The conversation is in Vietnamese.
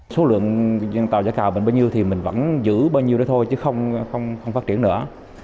số lượng tàu giã cào mình bao nhiêu thì mình vẫn giữ bao nhiêu đó thôi chứ không phát triển nữa